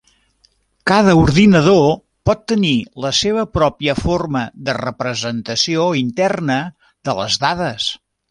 Cada ordinador pot tenir la seva pròpia forma de representació interna de les dades.